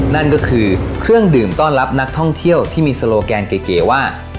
นั่นก็คือเครื่องดื่มต้อนรับนักท่องเที่ยวที่มีโซโลแกนเก๋ว่า